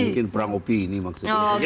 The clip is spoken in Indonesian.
mungkin perang opini maksudnya